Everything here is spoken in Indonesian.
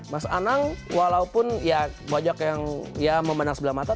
mas anang walaupun ya banyak yang ya memandang sebelah mata